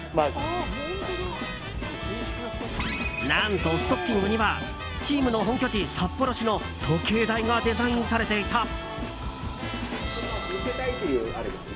何と、ストッキングにはチームの本拠地・札幌市の時計台がデザインされていた。